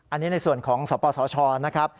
อันนี้ในส่วนของสปสชนะครับ